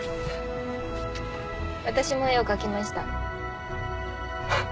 私も絵を描きました。